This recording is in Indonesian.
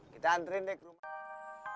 kita antren deh ke rumah